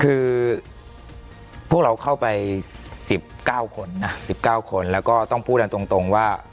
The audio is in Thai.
คือพวกเราเข้าไป๑๙คนแล้วก็ต้องพูดตรงว่า